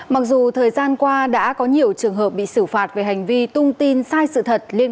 mặc dù thời gian qua đã có nhiều trường hợp bị xử phạt về hành vi tung tin sai sự thật